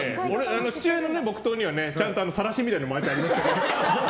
父親の木刀にはちゃんとさらしみたいなの巻いてありましたね。